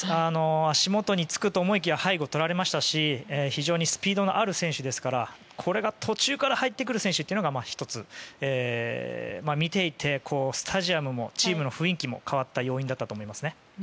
足元につくと思いきや背後をとられましたし非常にスピードのある選手ですからこれが途中から入ってくる選手というのが見ていてスタジアムも、チームの雰囲気も変わった要因だったと思いますね。